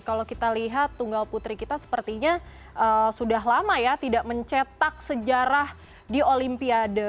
kalau kita lihat tunggal putri kita sepertinya sudah lama ya tidak mencetak sejarah di olimpiade